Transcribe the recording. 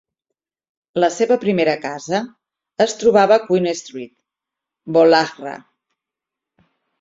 La seva primera casa es trobava a Queen Street, Woollahra.